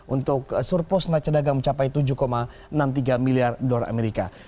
untuk surplus neraca dagang mencapai tujuh enam puluh tiga miliar dolar amerika